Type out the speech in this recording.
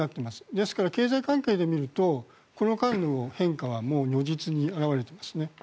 ですから経済関係で見るとこの間の変化はもう如実に表れていますね。